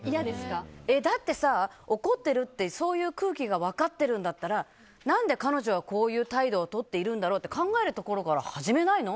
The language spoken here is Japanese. だって、怒ってる？ってそういう空気が分かってるんだったらなんで彼女はこういう態度をとってるんだろうって考えるところから始めないの？